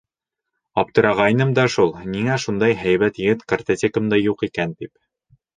Аптырағайным да шул: ниңә шундай һәйбәт егет картотекамда юҡ икән тип.